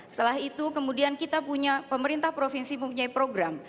setelah itu kemudian kita punya pemerintah provinsi mempunyai program